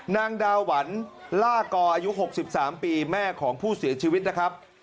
นางดาหวันล่ากออายุ๖๓ปีแม่ของผู้เสียชีวิตนะครับ